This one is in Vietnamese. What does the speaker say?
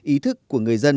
ý thức của người dân